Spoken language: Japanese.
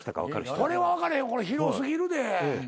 これは分からへん広過ぎるで。